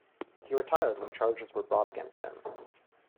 He retired when charges were brought against him.